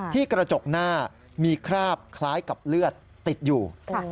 กระจกหน้ามีคราบคล้ายกับเลือดติดอยู่